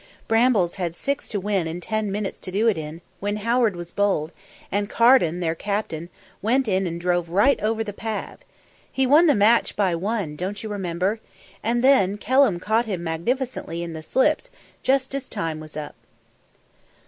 Bumbles had six to win and ten minutes to do it in when Howard was bowled, and Carden, their captain, went in and drove right over the Pav. He won the match by one, don't you remember? And then Kelham caught him magnificently in the slips just as time was up."